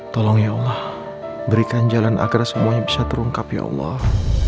tolong ya allah berikan jalan agar semuanya bisa terungkap ya allah